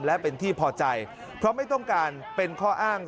และเป็นที่พอใจเพราะไม่ต้องการเป็นข้ออ้าง